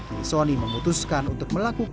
ini sonny memutuskan untuk melakukan ini